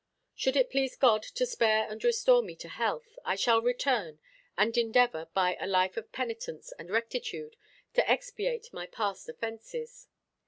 Should it please God to spare and restore me to health, I shall return, and endeavor, by a life of penitence and rectitude, to expiate my past offences.